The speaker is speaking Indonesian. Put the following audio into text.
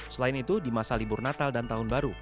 selain itu di masa libur natal dan tahun baru